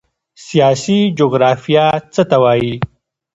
سیاسي جغرافیه څه ته وایي؟